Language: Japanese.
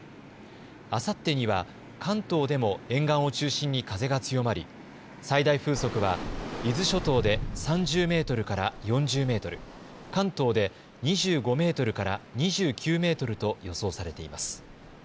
あさってには関東でも沿岸を中心に風が強まり、最大風速は伊豆諸島で３０メートルから４０メートル、関東で２５メートルから２９メートルと予想されています。